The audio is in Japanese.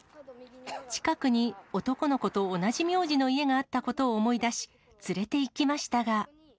近くに男の子と同じ名字の家があったことを思い出し、連れていきましたが。